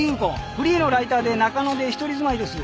フリーのライターで中野で一人住まいです。